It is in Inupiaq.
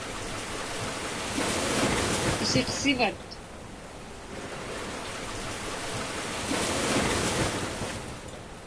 Isiqsivat?